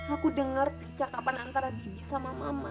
aku dengar percakapan antara dini sama mama